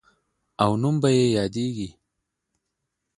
او نوم به یې یادیږي.